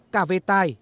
cà vê tài